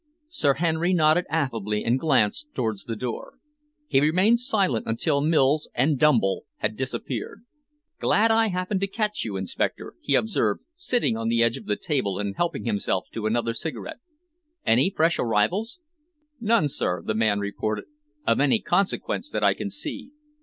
Sir Henry nodded affably and glanced towards the door. He remained silent until Mills and Dumble had disappeared. "Glad I happened to catch you, Inspector," he observed, sitting on the edge of the table and helping himself to another cigarette. "Any fresh arrivals?" "None, sir," the man reported, "of any consequence that I can see.